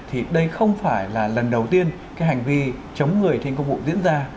thì đây không phải là lần đầu tiên cái hành vi chống người thi hành công vụ diễn ra